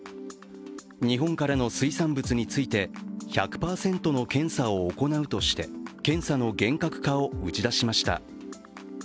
日本からの水産物について１００％の検査を行うとして検査の厳格化を打ち出しました。